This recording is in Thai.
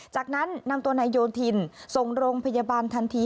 จากนั้นนำตัวนายโยธินส่งโรงพยาบาลทันที